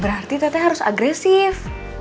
berarti teteh harus agresif